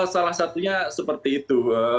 salah satunya seperti itu